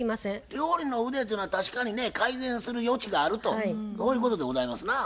料理の腕っていうのは確かにね改善する余地があるとこういうことでございますな。